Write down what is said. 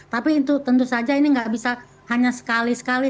tapi itu tentu saja ini nggak bisa hanya sekali sekali